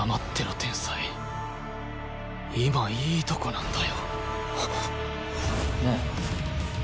天才今いいとこなんだよ！